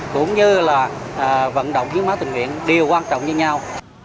cũng như là vận động hiến máu tình nguyện đều quan trọng như nhau